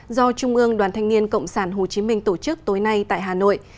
do trung ương đoàn thanh niên cộng sản hồ chí minh tổ chức tối nay tại hà nội